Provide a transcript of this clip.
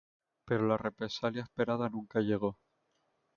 Pero la represalia esperada nunca llegó.